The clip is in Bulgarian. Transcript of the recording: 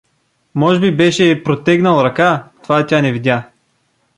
Може би беше й протегнал ръка — това тя не видя.